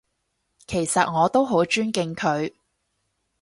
其實我都好尊敬佢